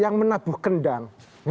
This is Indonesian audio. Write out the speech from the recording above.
yang menabuh kendang